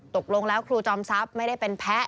ตกลงแล้วครูจอมทรัพย์ไม่ได้เป็นแพ้